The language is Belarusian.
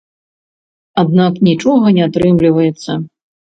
Аднак нічога не атрымліваецца.